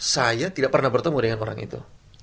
saya tidak pernah bertemu dengan orang itu